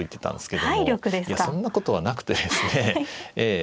いやそんなことはなくてですねええ。